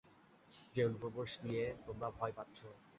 যে অনুপ্রবেশ নিয়ে তোমরা ভয় পাচ্ছো।